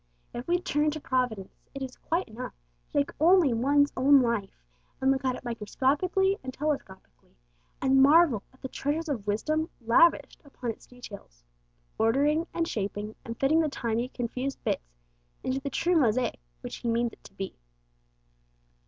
If we turn to Providence, it is quite enough to take only one's own life, and look at it microscopically and telescopically, and marvel at the treasures of wisdom lavished upon its details, ordering and shaping and fitting the tiny confused bits into the true mosaic which He means it to be.